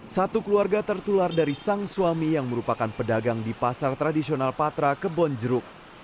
satu keluarga tertular dari sang suami yang merupakan pedagang di pasar tradisional patra kebonjeruk